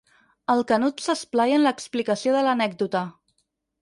El Canut s'esplaia en l'explicació de l'anècdota.